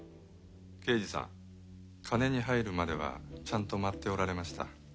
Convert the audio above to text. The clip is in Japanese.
刑事さん鐘に入るまではちゃんと舞っておられました。